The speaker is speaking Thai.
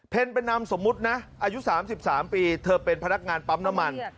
เป็นนามสมมุตินะอายุ๓๓ปีเธอเป็นพนักงานปั๊มน้ำมัน